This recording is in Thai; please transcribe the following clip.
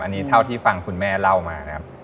อันนี้เท่าที่ฟังคุณแม่เล่ามานะครับ